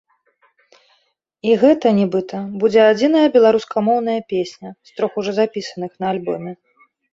І гэта, нібыта, будзе адзіная беларускамоўная песня, з трох ужо запісаных, на альбоме.